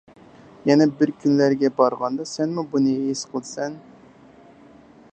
يەنە بىر كۈنلەرگە بارغاندا سەنمۇ بۇنى ھېس قىلىسەن.